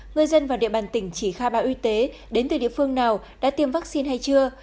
người dân và địa bàn tỉnh chỉ khai báo y tế đến từ địa phương nào đã tiêm vaccine hay chưa